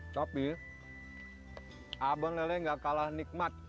tapi abang lele gak kalah nikmat